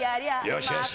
よしよし！